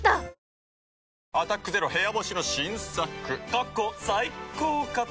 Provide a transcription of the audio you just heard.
過去最高かと。